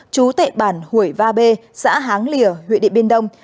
chú tệ bản hủy va bê xã háng lìa huyện điện biên đông